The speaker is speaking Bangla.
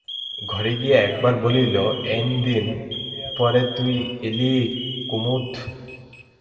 ঘরে গিয়া আর একবার বলিল, অ্যাঁন্দিন পরে তুই এলি কুমুদ?